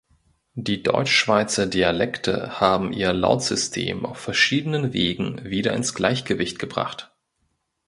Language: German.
Die Deutschschweizer Dialekte haben ihr Lautsystem auf verschiedenen Wegen wieder ins Gleichgewicht gebracht.